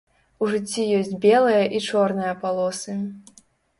У жыцці ёсць белыя і чорныя палосы.